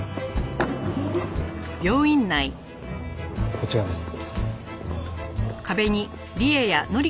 こちらです。